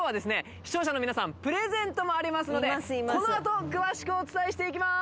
視聴者の皆さんプレゼントもありますのでこのあと詳しくお伝えしていきます